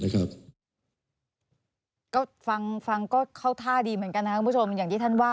ก็ฟังก็เข้าท่าดีเหมือนกันนะครับคุณผู้ชมอย่างที่ท่านว่า